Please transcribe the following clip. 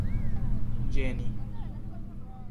ĝeni